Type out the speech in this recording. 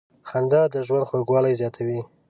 • خندا د ژوند خوږوالی زیاتوي.